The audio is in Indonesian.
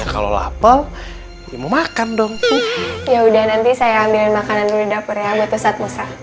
kalau lapel mau makan dong ya udah nanti saya ambil makanan dulu dapur ya buat ustadz musa